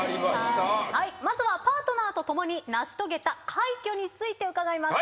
まずはパートナーと共に成し遂げた快挙について伺います。